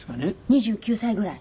２９歳ぐらい？